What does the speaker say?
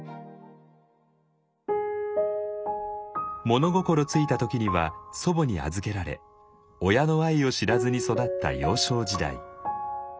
物心付いた時には祖母に預けられ親の愛を知らずに育った幼少時代。